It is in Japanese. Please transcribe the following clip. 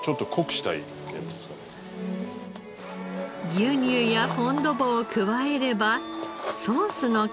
牛乳やフォンドボーを加えればソースの完成。